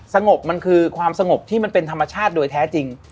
สงบมันคือความสงบที่มันเป็นธรรมชาติโดยแท้จริง